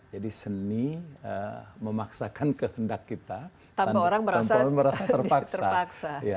jadi seni memaksakan kehendak kita tanpa orang merasa terpaksa